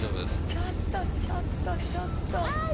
ちょっと、ちょっと、ちょっと。